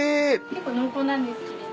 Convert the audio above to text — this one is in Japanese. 結構濃厚なんですけれど。